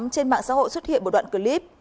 trên mạng xã hội xuất hiện một đoạn clip